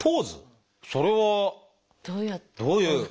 それはどういう？